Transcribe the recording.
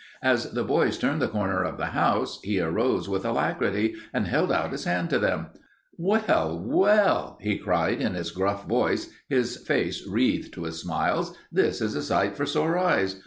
As the boys turned the corner of the house he arose with alacrity and held out his hand to them. "Well, well," he cried in his gruff voice, his face wreathed with smiles, "this is a sight for sore eyes.